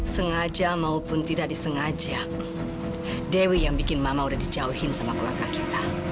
sengaja maupun tidak disengaja dewi yang bikin mama udah dijauhin sama keluarga kita